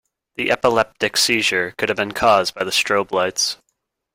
The epileptic seizure could have been cause by the strobe lights.